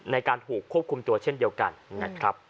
ในการถูกควบคุมตัวเช่นเดียวกัน